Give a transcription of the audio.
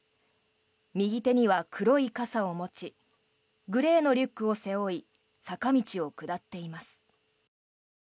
右手には黒い傘を持ちグレーのリュックを背負い坂道を下っています。